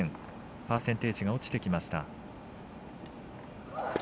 パーセンテージが落ちてきました。